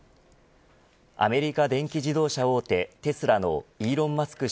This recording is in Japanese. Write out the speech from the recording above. アメリカ電気自動車大手テスラのイーロン・マスク